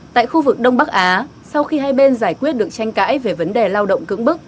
tại khu vực đông bắc á sau khi hai bên giải quyết được tranh cãi về vấn đề lao động cưỡng bức